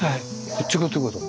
こっち側っていうこと。